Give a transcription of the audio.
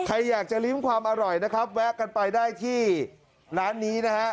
ใครอยากจะลิ้มความอร่อยนะครับแวะกันไปได้ที่ร้านนี้นะฮะ